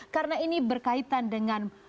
karena ini berkaitan dengan